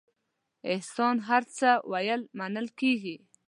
احسان هر څه ویل منل کېږي.